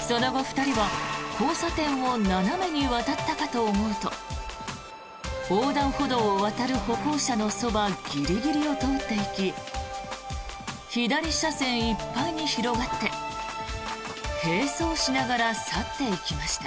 その後２人は、交差点を斜めに渡ったかと思うと横断歩道を渡る歩行者のそばギリギリを通っていき左車線いっぱいに広がって並走しながら去っていきました。